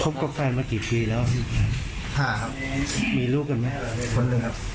พ่ออุกไปดูลูกมั่ง